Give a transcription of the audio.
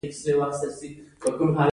هغوی د بام په خوا کې تیرو یادونو خبرې کړې.